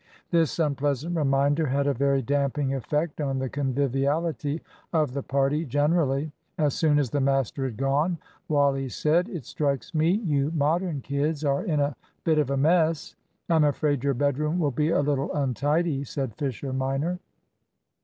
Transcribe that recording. This unpleasant reminder had a very damping effect on the conviviality of the party generally. As soon as the master had gone, Wally said "It strikes me you Modern kids are in a bit of a mess." "I'm afraid your bedroom will be a little untidy," said Fisher minor.